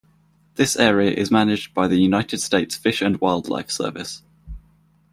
This area is managed by the United States Fish and Wildlife Service.